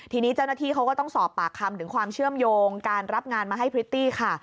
ทีนี้เจ้าหน้าที่เขาก็ต้องสอบปากคำถึงความเชื่อมโยงการรับงานมาให้พริตตี้ค่ะ